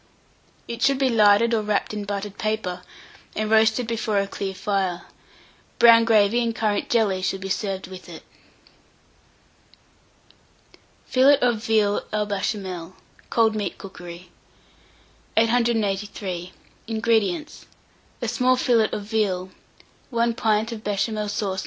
It should be larded or wrapped in buttered paper, and roasted before a clear fire. Brown gravy and currant jelly should be served with it. FILLET OF VEAL AU BECHAMEL (Cold Meat Cookery). 883. INGREDIENTS. A small fillet of veal, 1 pint of Béchamel sauce No.